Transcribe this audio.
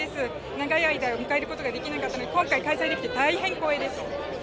長い間迎えられなかったので今回開催できて大変、光栄です。